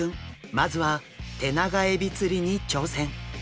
まずはテナガエビ釣りに挑戦。